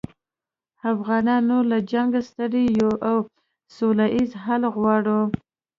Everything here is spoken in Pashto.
افغانان نور له جنګه ستړي یوو او سوله ییز حل غواړو